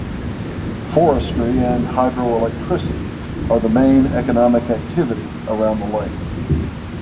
Forestry and hydroelectricity are the main economic activity around the lake.